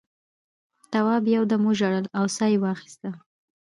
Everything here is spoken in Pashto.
تواب یو دم وژړل او سا یې واخیسته.